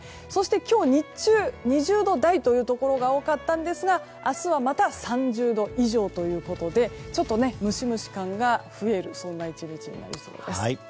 今日日中２０度台のところが多かったんですが明日はまた３０度以上ということになりそうでちょっとムシムシ感が増えるそんな１日になりそうです。